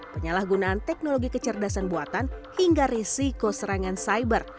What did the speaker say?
penyalahgunaan teknologi kecerdasan buatan hingga risiko serangan cyber